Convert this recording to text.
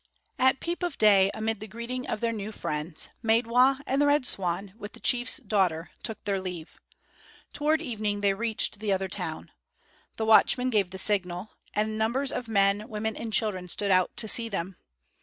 At peep of day amid the greetings of their new friends, Maidwa and the Red Swan, with the chief's daughter, took their leave. Toward evening they reached the other town. The watchman gave the signal, and numbers of men, women and children stood out to see them.